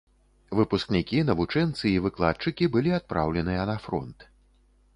Выпускнікі, навучэнцы і выкладчыкі былі адпраўленыя на фронт.